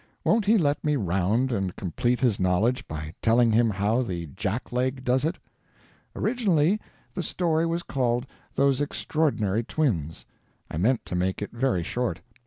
Won't he let me round and complete his knowledge by telling him how the jack leg does it? Originally the story was called "Those Extraordinary Twins." I meant to make it very short.